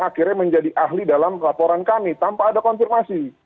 akhirnya menjadi ahli dalam laporan kami tanpa ada konfirmasi